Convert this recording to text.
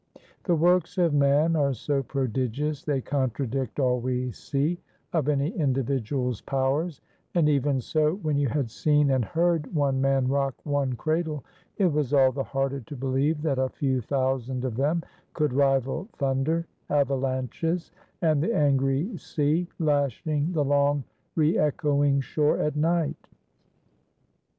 The works of man are so prodigious they contradict all we see of any individual's powers; and even so when you had seen and heard one man rock one cradle, it was all the harder to believe that a few thousand of them could rival thunder, avalanches, and the angry sea lashing the long reechoing shore at night.